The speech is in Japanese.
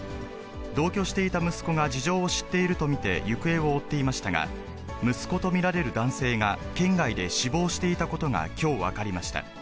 同居していた息子が事情を知っていると見て、行方を追っていましたが、息子と見られる男性が県外で死亡していたことが、きょう分かりました。